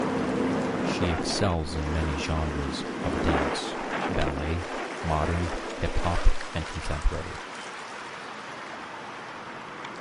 She excels in many genres of dance: ballet, modern, hip hop and contemporary.